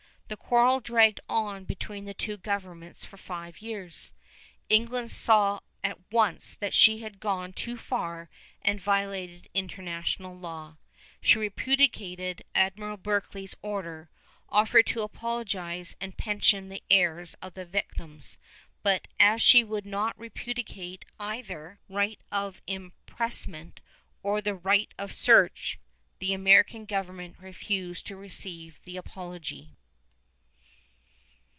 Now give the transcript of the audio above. The quarrel dragged on between the two governments for five years. England saw at once that she had gone too far and violated international law. She repudiated Admiral Berkeley's order, offered to apologize and pension the heirs of the victims; but as she would not repudiate either the right of impressment or the right of search, the American government refused to receive the apology.